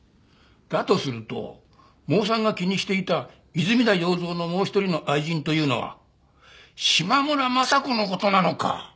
だとするとモーさんが気にしていた泉田耀造のもう一人の愛人というのは島村昌子の事なのか？